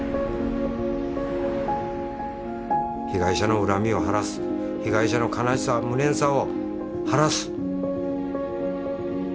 被害者の恨みを晴らす被害者の悲しさ無念さを晴らす。